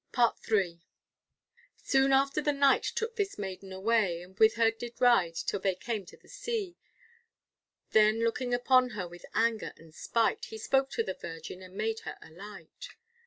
PART III. Soon after the Knight took this maiden away, And with her did ride till they came to the sea, Then looking upon her with anger and spite, He spoke to the virgin and made her alight.